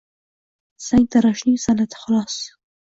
sangtaroshning sanʼati holos.